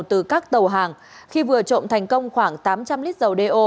từ các tàu hàng khi vừa trộm thành công khoảng tám trăm linh lít dầu đeo